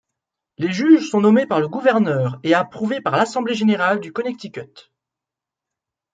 Les juges sont nommés par le gouverneur et approuvés par l'Assemblée générale du Connecticut.